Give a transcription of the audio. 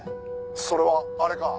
「それはあれか？」